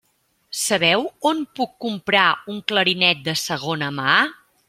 Sabeu on puc comprar un clarinet de segona mà?